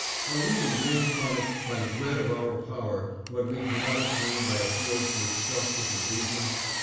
Are we to wring from it by dread of our power what we cannot obtain by appeals to its justice and reason